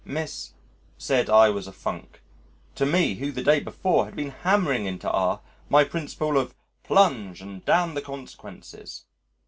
Miss said I was a funk to me who the day before had been hammering into R my principle of "Plunge and damn the consequences."